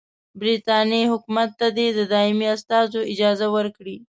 برټانیې حکومت ته دي د دایمي استازو اجازه ورکړي.